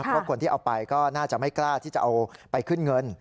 เพราะคนที่เอาไปก็น่าจะไม่กล้าที่จะเอาไปขึ้นเงิน